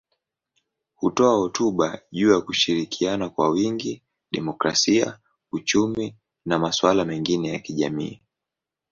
Hutoa hotuba juu ya kushirikiana kwa wingi, demokrasia, uchumi na masuala mengine ya kijamii.